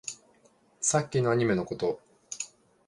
さっきのアニメのこと